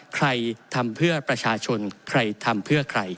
ใครทำเพื่อประชาชนใครทำเพื่อใคร